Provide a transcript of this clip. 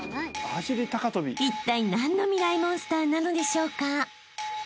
［いったい何のミライ☆モンスターなのでしょうか？］